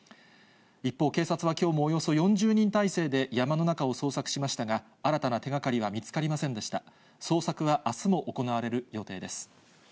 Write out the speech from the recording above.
一方、警察はきょうもおよそ４０人態勢で山の中を捜索しましたが、新たな手がかりは見つかりませんそうでしたね。